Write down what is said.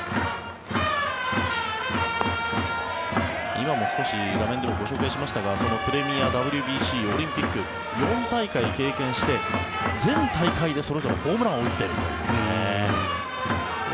今も少し画面でもご紹介しましたがそのプレミア、ＷＢＣオリンピック４大会経験して全大会でそれぞれホームランを打っているというね。